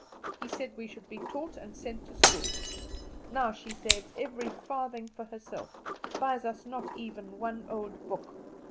He said we should be taught and sent to school. Now she saves every farthing for herself, buys us not even one old book.